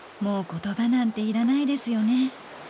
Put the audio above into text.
もう言葉なんていらないですよね。